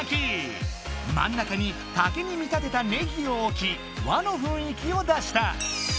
まん中に竹に見立てたねぎをおき和のふんい気を出した！